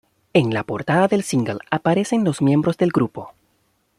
En la portada del single, aparecen los miembros del grupo.